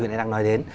người ta đang nói đến